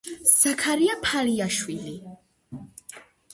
ზაქარია ფალიაშვილი